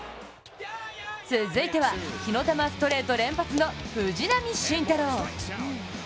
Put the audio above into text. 続いては、火の玉ストレート連発の藤浪晋太郎。